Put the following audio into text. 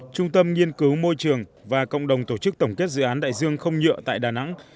trung tâm nhiên cứu môi trường và cộng đồng tổ chức tổng kết dự án đại dương không nhựa tại đà nẵng